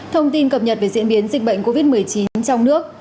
thông tin cập nhật về diễn biến dịch bệnh covid một mươi chín trong nước